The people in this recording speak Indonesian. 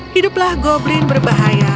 hiduplah goblin berbahaya